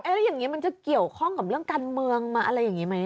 แล้วอย่างนี้มันจะเกี่ยวข้องกับเรื่องการเมืองมาอะไรอย่างนี้ไหม